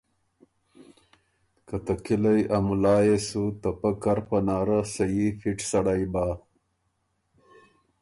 که ته کِلئ ا مُلا يې سو ته پۀ کر پناره سھی فِټ سړئ بَۀ۔